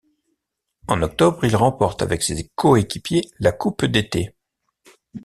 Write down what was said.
En octobre, il remporte avec ses coéquipiers la Coupe d'été.